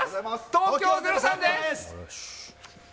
東京０３です。